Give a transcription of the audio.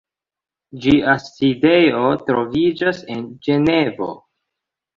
Ĝia sidejo troviĝas en Ĝenevo.